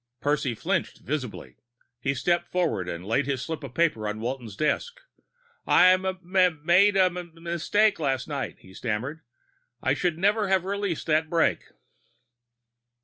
Percy flinched visibly. He stepped forward and laid his slip of paper on Walton's desk. "I m made a m mistake last night," he stammered. "I should never have released that break."